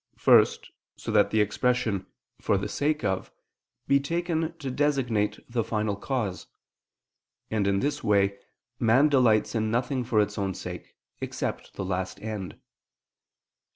First, so that the expression "for the sake of" be taken to designate the final cause; and in this way, man delights in nothing for its own sake, except the last end.